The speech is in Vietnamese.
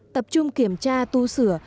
tập trung kiểm tra tu sửa